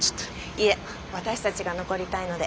いえ私たちが残りたいので。